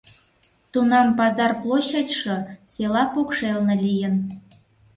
Тунам пазар площадьше села покшелне лийын.